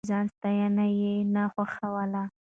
د ځان ستاينه يې نه خوښوله.